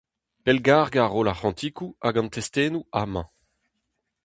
Pellgargañ roll ar c'hantikoù hag an testennoù amañ.